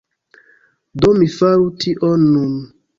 Do mi faru tion nun.